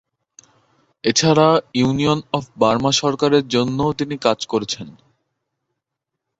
এছাড়া union of Burma সরকারের জন্যও তিনি কাজ করেছেন।